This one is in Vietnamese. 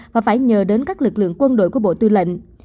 và phải nhờ đến các lực lượng quân đội của bộ tư lệnh